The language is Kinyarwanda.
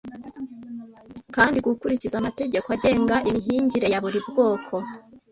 kandi gukurikiza amategeko agenga imihingire ya buri bwoko